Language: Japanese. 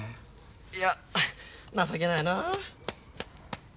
いや情けないなあ。